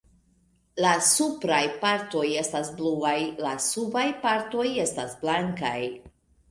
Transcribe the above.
La supraj partoj esta bluaj; la subaj partoj estas blankaj.